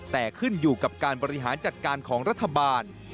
แต่ขึ้นอยู่กับการบริหารจัดการของรัฐบาล